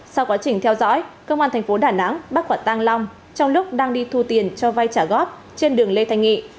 sau quá trình theo dõi công an tp đà nẵng bắt quản tăng long trong lúc đang đi thu tiền cho vai trả góp trên đường lê thành nghị